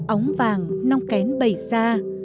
ống vàng nong kén bày ra